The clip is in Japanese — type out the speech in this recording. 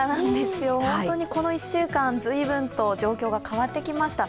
本当にこの１週間、随分と状況が変わってきました。